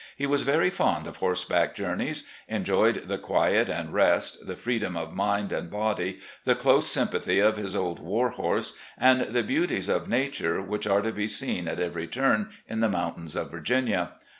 He was very fond of horseback journeys, enjoyed the quiet and rest, the free dom of mind and body, the close S5mipathy of his old war horse, and the beauties of Nature which are to be seen at every turn in the mountains of Virginia.